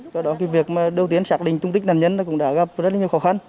do đó việc đầu tiên xác định tung tích nạn nhân cũng đã gặp rất nhiều khó khăn